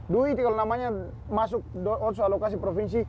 duit kalau namanya masuk otsus alokasi provinsi